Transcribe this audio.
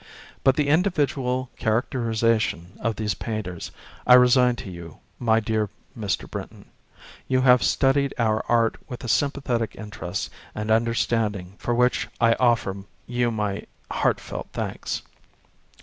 But the individual characterization of these painters I resign to you, my dear Mr. Brinton. You have studied our art with a sympathetic interest and imderstanding for which I offer you my heartfelt thanks.